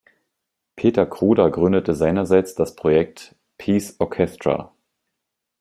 Peter Kruder gründete seinerseits das Projekt "Peace Orchestra".